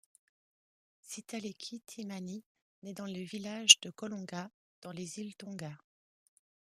Sitaleki Timani naît dans le village de Kolonga dans les îles Tonga.